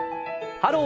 「ハロー！